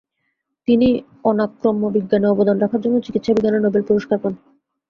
তিনি অনাক্রম্যবিজ্ঞানে অবদান রাখার জন্য চিকিৎসাবিজ্ঞানে নোবেল পুরস্কার পান।